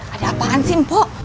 ada apaan sih mpok